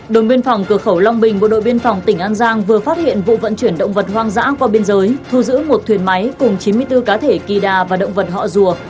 đồn biên phòng cửa khẩu long bình bộ đội biên phòng tỉnh an giang vừa phát hiện vụ vận chuyển động vật hoang dã qua biên giới thu giữ một thuyền máy cùng chín mươi bốn cá thể kỳ đà và động vật họ rùa